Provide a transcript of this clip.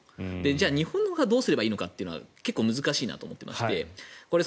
じゃあ、日本がどうすればいいかというのは結構難しいと思っていてこれ、